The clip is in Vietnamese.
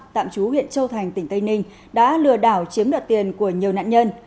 tạm chú huyện châu thành tỉnh tây ninh đã lừa đảo chiếm đoạt tiền của nhiều nạn nhân